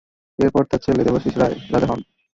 এরপর তার ছেলে দেবাশীষ রায় রাজা হন।